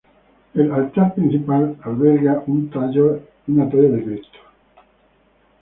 El altar principal alberga una talla de Cristo Crucificado.